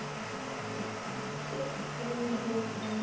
でこれの平均は。